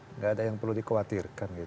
tidak ada yang perlu dikhawatirkan gitu